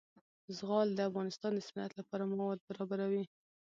زغال د افغانستان د صنعت لپاره مواد برابروي.